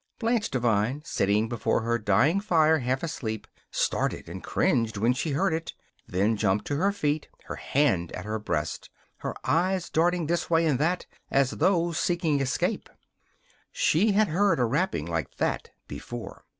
Blanche Devine, sitting before her dying fire half asleep, started and cringed when she heard it, then jumped to her feet, her hand at her breast her eyes darting this way and that, as though seeking escape. She had heard a rapping like that before.